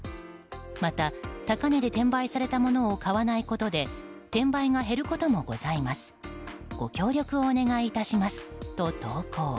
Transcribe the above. また高値で転売されたものを買わないことで転売が減ることもございますご協力をお願いいたしますと投稿。